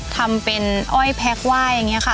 ทำเป็นอ้อยแพ็คไหว้อย่างนี้ค่ะ